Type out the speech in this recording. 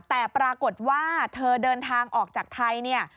แต่ปรากฏว่าเธอเดินทางออกจากไทยเนี่ย